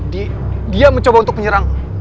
dia mencoba untuk menyerang